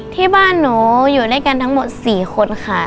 ที่บ้านหนูอยู่ด้วยกันทั้งหมด๔คนค่ะ